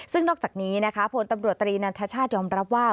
ซึ่งนอกจากนี้นะคะพลตำรวจตรีนันทชาติยอมรับว่า